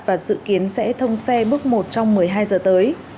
và dự kiến sẽ thông xe bước một trong một mươi hai giờ tới